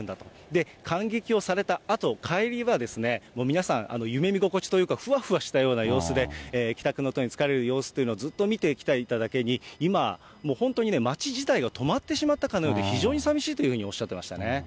で、観劇をされたあと、帰りが、もう皆さん夢み心地というか、ふわふわしたような様子で、帰宅の途に就かれる様子というのをずっと見てきていただけに、今、もう本当にね、街自体が止まってしまったかのようで、非常にさみしいというふうにおっしゃってましたね。